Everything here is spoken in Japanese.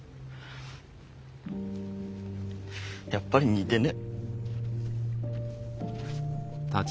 やっぱり似でねえ。